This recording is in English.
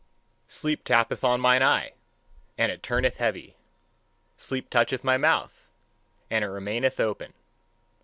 Sleep tappeth on mine eye, and it turneth heavy. Sleep toucheth my mouth, and it remaineth open.